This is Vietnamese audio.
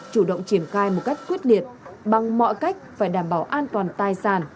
chủ động triển khai một cách quyết liệt bằng mọi cách phải đảm bảo an toàn tài sản